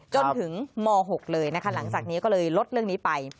จนถึงม๖เลยนะคะหลังจากนี้ก็เลยลดเรื่องนี้ไป